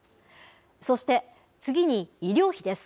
そして、次に医療費です。